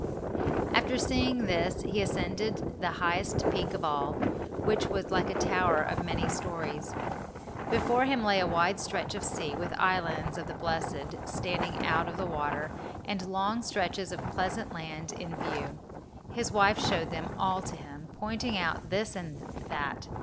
After seeing this he ascended the highest peak of all, which was like a tower of many stories. Before him lay a wide stretch of sea, with islands of the blessed standing out of the water, and long stretches of pleasant land in view. His wife showed them all to him, pointing out this and that.